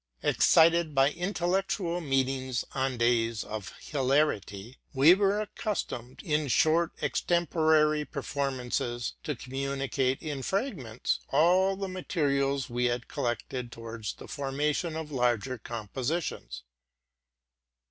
Ex cited by intellectual meetings on days of hilarity, we were accustomed, in short extemporary performances, to commu nicate, in fragments, all the materials we had collected towards the formation of larger compositions.